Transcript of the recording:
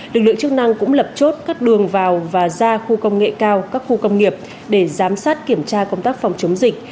lực lượng chức năng cũng lập chốt các đường vào và ra khu công nghệ cao các khu công nghiệp để giám sát kiểm tra công tác phòng chống dịch